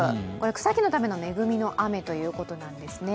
草木のための恵みの雨ということですね。